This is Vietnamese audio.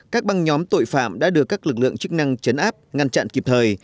các băng nhóm tội phạm đã được các lực lượng chức năng chấn áp ngăn chặn kịp thời